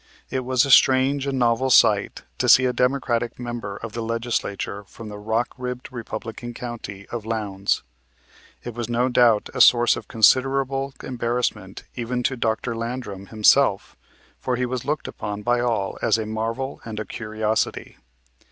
It was a strange and novel sight to see a Democratic member of the Legislature from the rock ribbed Republican county of Lowndes. It was no doubt a source of considerable embarrassment even to Dr. Landrum himself, for he was looked upon by all as a marvel and a curiosity.